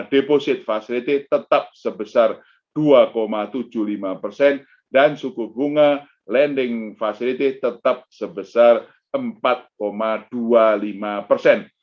deposit facility tetap sebesar dua tujuh puluh lima persen dan suku bunga lending facility tetap sebesar empat dua puluh lima persen